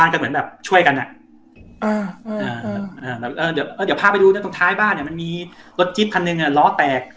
แล้วแล้วแล้วแล้วแล้วแล้วแล้วแล้ว